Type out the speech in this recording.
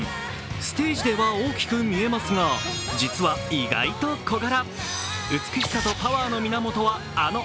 ステージでは大きく見えますが、実は意外と小柄。